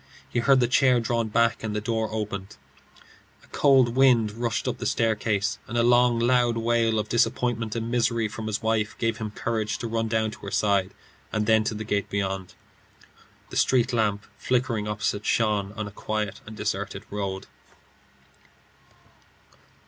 He heard the chair drawn back, and the door opened. A cold wind rushed up the staircase, and a long loud wail of disappointment and misery from his wife gave him courage to run down to her side, and then to the gate beyond. The street lamp flickering opposite shone on a quiet and deserted road.